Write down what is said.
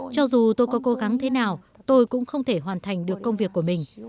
cho dù tôi có cố gắng thế nào tôi cũng không thể hoàn thành được công việc của mình